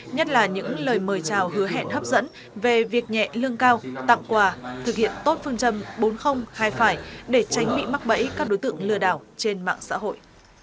nhất là những lời mời chào hứa hẹn hấp dẫn về việc nhẹ lương cao tặng quà thực hiện tốt phương châm bốn hai để tránh bị mắc bẫy các đối tượng lừa đảo trên mạng xã hội